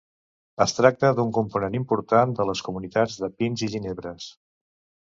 Es tracta d'un component important de les comunitats de pins i ginebres.